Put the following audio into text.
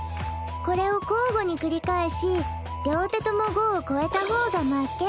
これを交互に繰り返し両手とも５を超えた方が負け。